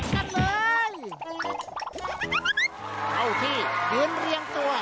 เข้าที่เรียนเรียงตัว